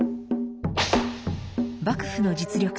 幕府の実力者